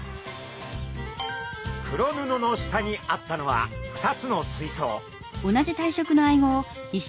黒布の下にあったのは２つの水槽。